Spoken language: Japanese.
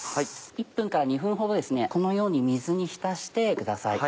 １分から２分ほどこのように水に浸してください。